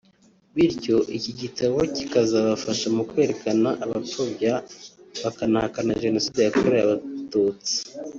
bityo iki gitabo kikazafasha mu kwerekana abapfobya bakanahakana Jenoside yakorewe Abatutsi